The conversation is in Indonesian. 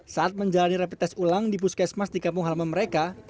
saat menjalani rapid test ulang di puskesmas di kampung halaman mereka